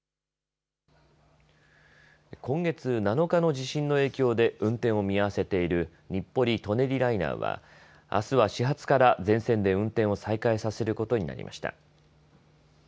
今月７日の地震の影響で運転を見合わせている日暮里・舎人ライナーはあすは始発から全線で運転を再開させることになりました。